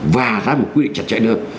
và ra một quyết định chặt chẽ nữa